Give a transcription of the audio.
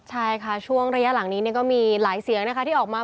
ใช่ค่ะช่วงระยะหลังนี้ก็มีหลายเสียงนะคะที่ออกมา